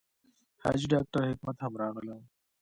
حاجي ډاکټر حکمت هم راغلی و.